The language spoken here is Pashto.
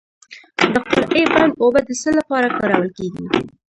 د قرغې بند اوبه د څه لپاره کارول کیږي؟